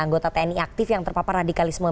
anggota tni aktif yang terpapar radikalisme